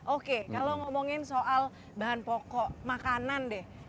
oke kalau ngomongin soal bahan pokok makanan deh